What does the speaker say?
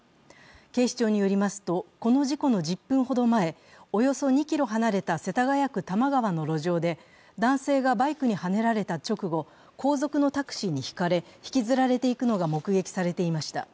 警視庁によりますと、この事故の１０分ほど前、およそ２ｋｍ離れた世田谷区玉川の路上で男性がバイクにはねられた直後、後続のタクシーにひかれ、引きずられていくのが目撃されていました。